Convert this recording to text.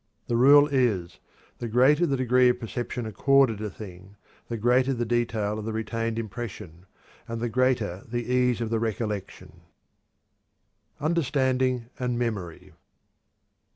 The rule is: _The greater the degree of perception accorded a thing, the greater the detail of the retained impression, and the greater the ease of the recollection_. UNDERSTANDING AND MEMORY.